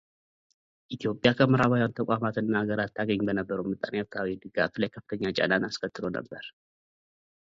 ኢትዮጵያ ከምዕራባውያን ተቋማት እና አገራት ታገኝ በነበረው ምጣኔ ሀብታዊ ድጋፍ ላይ ከፍተኛ ጫናን አስከትሎ ነበር።